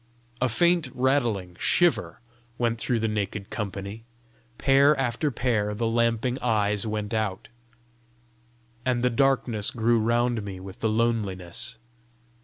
A faint rattling shiver went through the naked company; pair after pair the lamping eyes went out; and the darkness grew round me with the loneliness.